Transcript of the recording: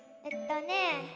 えっとね